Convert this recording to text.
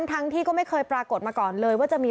ทั้งที่ก็ไม่เคยปรากฏมาก่อนเลยว่าจะมี